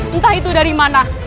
entah itu dari mana